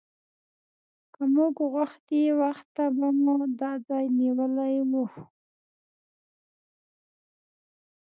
که موږ غوښتی وخته به مو دا ځای نیولی و.